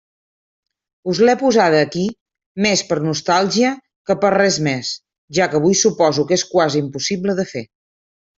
Us l'he posada aquí, més per nostàlgia que per res més, ja que avui suposo que és quasi impossible de fer.